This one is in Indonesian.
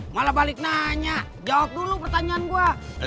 malah balik nanya jawab dulu pertanyaan gue